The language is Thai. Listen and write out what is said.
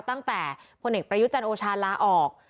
ตั้งแต่พลเอกประยุจันทร์โอชาลาออก